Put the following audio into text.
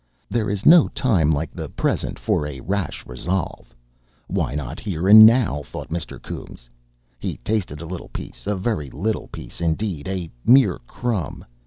There is no time like the present for a rash resolve. Why not here and now? thought Mr. Coombes. He tasted a little piece, a very little piece indeed a mere crumb.